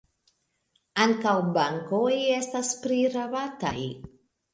Ankaŭ bankoj estas prirabataj.